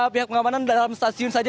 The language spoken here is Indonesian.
pihak pengamanan dalam stasiun saja